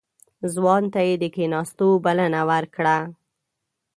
ځوان ته يې د کېناستو بلنه ورکړه.